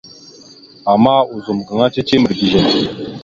Ama ozum gaŋa cici mirəgezekw.